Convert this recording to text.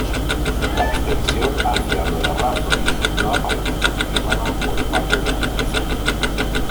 La extensión hacia Lo Errázuriz no aparece confirmada por parte de la empresa.